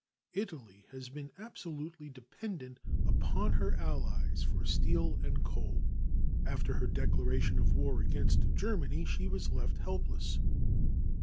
Italy has been absolutely dependent upon her allies for steel and coal. After her declaration of war against Germany, she was left helpless.